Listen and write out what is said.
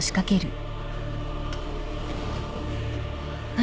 何？